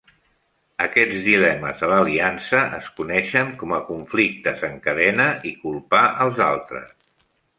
Aquests dilemes de l'aliança es coneixen com a conflictes en cadena i culpar els altres.